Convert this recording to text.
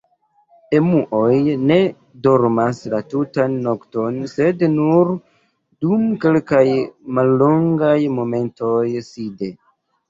Emuoj ne dormas la tutan nokton sed nur dum kelkaj mallongaj momentoj side.